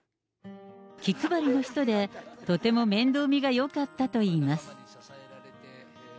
気配りの人で、とても面倒見がよかったといいます。